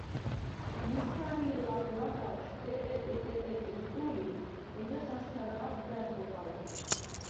მუჟჴვარი̄ლ ლახ ლადაღშვ “ტეპეტი-ტეპეტი”-ს ტული, ეჯას აშთა̄რაღად და̄̈რ ხოხალ.